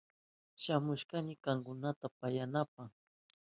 Shamushkani kankunata pasyanapa.